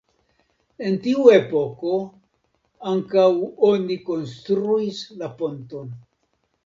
En tiu epoko ankaŭ oni konstruis la ponton.